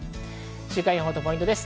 週間予報とポイントです。